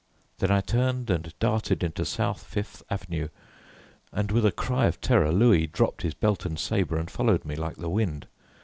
Then I turned and darted into South Fifth Avenue, and with a cry of terror Louis dropped his belt and sabre and followed me like the wind.